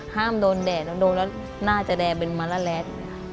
ห้ามโดนแดดถ้าโดนแล้วหน้าจะแดดเป็นมรรละแรด